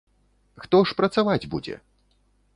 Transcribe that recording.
Хто ж працаваць будзе?